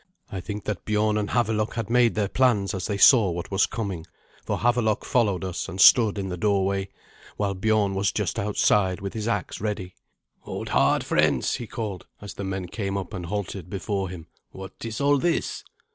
I think that Biorn and Havelok had made their plans as they saw what was coming, for Havelok followed us and stood in the doorway, while Biorn was just outside with his axe ready. "Hold hard, friends!" he called, as the men came up and halted before him; "what is all this?"